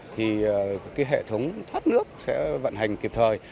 thì hệ thống thoát nước sẽ vận hành kịp thời